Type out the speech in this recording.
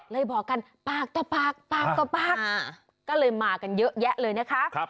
บอกกันปากต่อปากปากต่อปากก็เลยมากันเยอะแยะเลยนะคะ